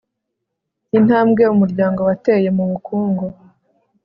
intambwe umuryango wateye mu bukungu